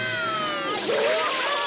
うわ！